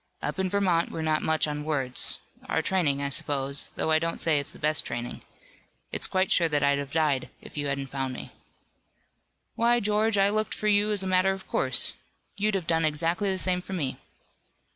Up in Vermont we're not much on words our training I suppose, though I don't say it is the best training. It's quite sure that I'd have died if you hadn't found me." "Why, George, I looked for you as a matter of course. You'd have done exactly the same for me."